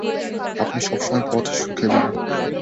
আপনি সবসময় পথ শুঁকে বেড়ান!